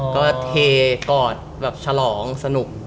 ก็เทกอดชะลองสนุก